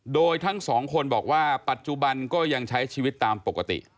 โดยทั้งสองคนบอกว่าปัจจุบันก็ยังใช้ชีวิตตามปกติ